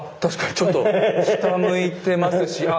ちょっと下向いてますし。